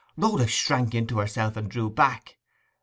Rhoda shrank into herself, and drew back.